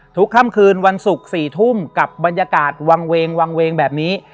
ค่ำคืนวันศุกร์๔ทุ่มกับบรรยากาศวางเวงวางเวงแบบนี้